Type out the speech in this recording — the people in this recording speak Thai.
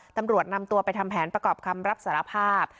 ตำรวจนำตัวไปทำแผนประกอบคำรับสารภาพ